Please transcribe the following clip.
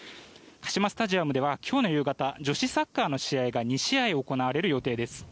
カシマスタジアムでは今日の夕方女子サッカーの試合が２試合行われる予定です。